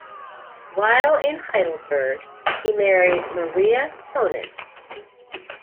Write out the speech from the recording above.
While in Heidelberg, he married Maria Koenen.